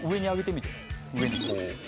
上にこう。